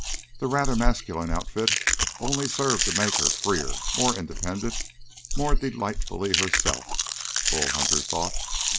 The rather masculine outfit only served to make her freer, more independent, more delightfully herself, Bull Hunter thought.